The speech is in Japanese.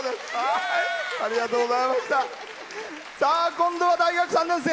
今度は大学３年生。